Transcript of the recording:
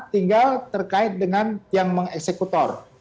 tinggal terkait dengan yang mengeksekutor